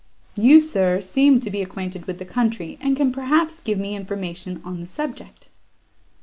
You, sir, seem to be acquainted with the country, and can, perhaps, give me information on the subject."